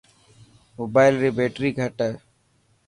موبال ري بيٽري گھٽ هي.